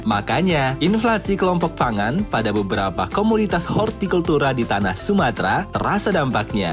makanya inflasi kelompok pangan pada beberapa komunitas hortikultura di tanah sumatera terasa dampaknya